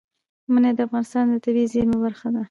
منی د افغانستان د طبیعي زیرمو برخه ده.